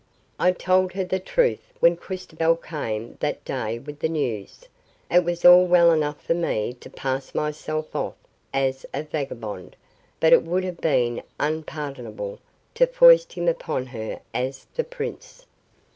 I told her the truth when Christobal came that day with the news. It was all well enough for me to pass myself off as a vagabond, but it would have been unpardonable to foist him upon her as the prince."